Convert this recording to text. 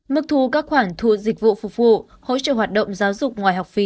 mức thu các khoản thu dịch vụ phục vụ hỗ trợ hoạt động giáo dục ngoài học phí